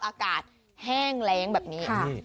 อากาศแห้งแรงแบบนี้